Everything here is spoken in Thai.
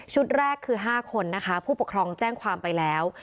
แรกคือ๕คนนะคะผู้ปกครองแจ้งความไปแล้ว